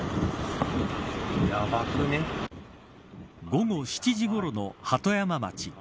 午後７時ごろの鳩山町。